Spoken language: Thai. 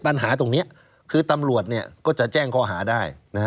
ปัญหาตรงนี้คือตำรวจก็จะแจ้งข้อหาได้